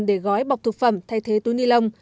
để gói bọc thực phẩm thay thế túi nilon